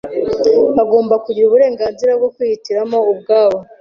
Bagomba kugira uburenganzira bwo kwihitiramo ubwabo.